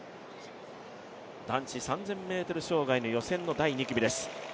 男子３０００ｍ障害の予選の第２組の紹介です。